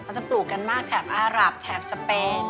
ต้องก่อนมากแถบอารับแถบทราพย์